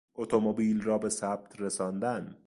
اتومبیل را به ثبت رساندن